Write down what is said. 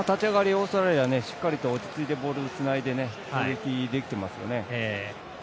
オーストラリアしっかりと落ち着いてボールにつないで攻撃できていますよね。